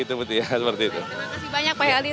terima kasih banyak pak heldi